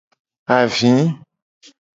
Avi.